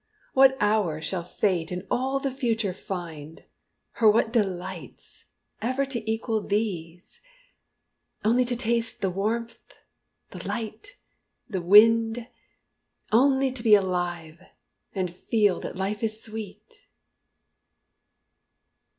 What hour shall Fate in all the future find, Or what delights, ever to equal these: Only to taste the warmth, the light, the wind, Only to be alive, and feel that life is sweet?